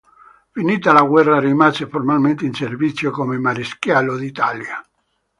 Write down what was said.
Finita la guerra, rimase formalmente in servizio come Maresciallo d'Italia.